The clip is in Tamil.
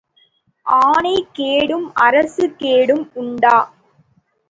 ஆனைக் கேடும் அரசு கேடும் உண்டா?